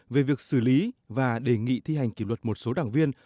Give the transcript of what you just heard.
về việc xử lý và đề nghị thi hành kỷ luật một số đảng viên